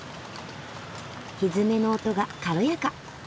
ひづめの音が軽やか。